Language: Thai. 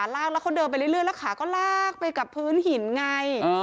ลากแล้วเขาเดินไปเรื่อยแล้วขาก็ลากไปกับพื้นหินไง